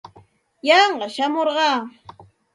Yanqa shamurqaa.